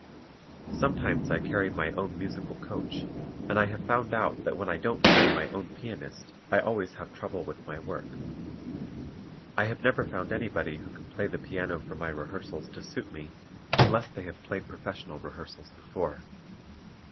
Sometimes I carry my own musical coach, and I have found out that when I don't carry my own pianist I always have trouble with my work. I have never found anybody who can play the piano for my rehearsals to suit me unless they have played professional rehearsals before.